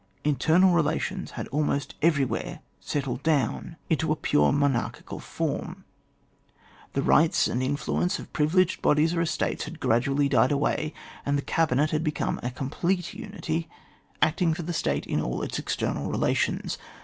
Internal relations had almost every where settled down into apure monarchic^ §2 ON WAR. [book Tm. fonn ; the rights and influence of privi leged bodies or estates had gradually died away, and the cabinet had become a complete unity, acting for the State in all its external relations.